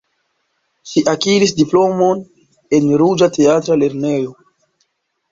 Ŝi akiris diplomon en Reĝa Teatra Lernejo.